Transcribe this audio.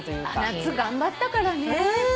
夏頑張ったからね。